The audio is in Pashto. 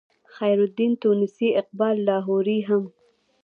خیرالدین تونسي اقبال لاهوري هم